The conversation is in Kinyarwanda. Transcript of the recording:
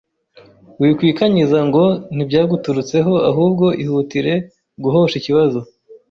Wikwikanyiza ngo ntibyaguturutseho ahubwo ihutire guhosha ikibazo